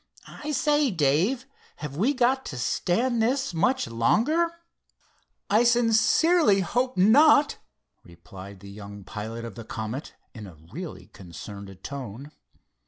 "I say, Dave, have we got to stand this much longer?" "I sincerely hope not," replied the young pilot of the Comet, in a really concerned tone.